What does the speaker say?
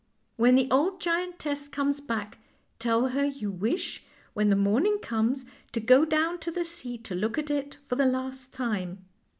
When the old giantess comes back tell her you wish, when the morning comes, to go down to the sea to look at it for the last time.